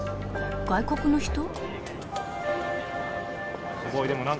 外国の人？